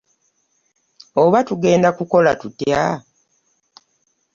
Oba tugenda kukola tutya!